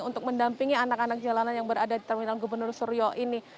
untuk mendampingi anak anak jalanan yang berada di terminal gubernur suryo ini